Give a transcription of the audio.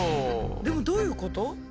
でもどういうこと？